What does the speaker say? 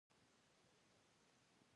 هغه څه چې باید موږ له هغه څخه وېرېږو.